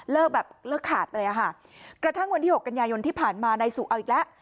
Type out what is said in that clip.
แบบเลิกขาดเลยอ่ะค่ะกระทั่งวันที่หกกันยายนที่ผ่านมานายสุเอาอีกแล้ว